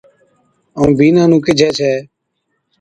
ائُون بِينڏا نُون ڪيهجَي ڇَي